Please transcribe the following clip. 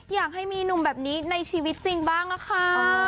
อยากให้มีหนุ่มแบบนี้ในชีวิตจริงบ้างอะค่ะ